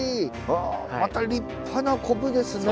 また立派なコブですね。